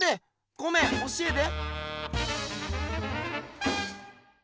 ごめん教えて。